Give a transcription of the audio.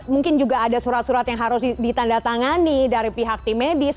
mungkin juga ada surat surat yang harus ditandatangani dari pihak tim medis